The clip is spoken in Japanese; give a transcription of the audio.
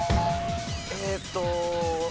えーっと。